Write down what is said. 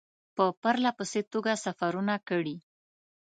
په پرله پسې توګه سفرونه کړي.